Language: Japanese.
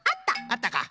あったか。